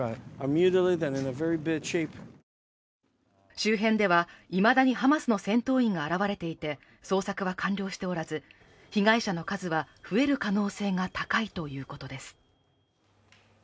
周辺では、いまだにハマスの戦闘員が現れていて、捜索は完了しておらず、被害者の数は増える可能性が高いということです。